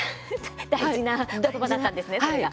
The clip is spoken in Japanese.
大事な言葉だったんですねそれが。